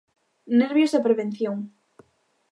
Nervios e prevención.